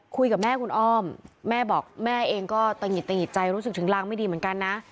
คุยกับแม่คุณอ้อมแม่บอกแม่เองก็ตะหิดตะหิดใจรู้สึกถึงรังไม่ดีเหมือนกันนะ